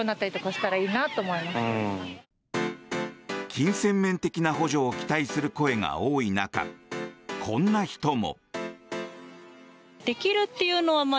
金銭面的な補助を期待する声が多い中、こんな人も。